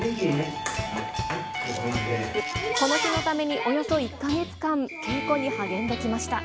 この日のためにおよそ１か月間、稽古に励んできました。